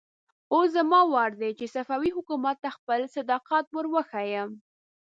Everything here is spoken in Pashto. اوس زما وار دی چې صفوي حکومت ته خپل صداقت ور وښيم.